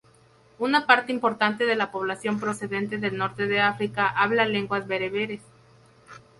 Una parte importante de la población procedente del norte de África habla lenguas bereberes.